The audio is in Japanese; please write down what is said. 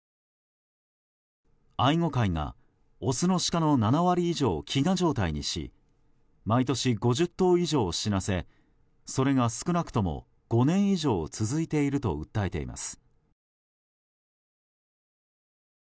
愛護会が、オスのシカの７割以上を飢餓状態にし毎年５０頭以上を死なせそれが少なくとも５年以上続いていると訴えています。